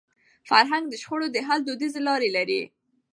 فرهنګ د شخړو د حل دودیزي لارې لري.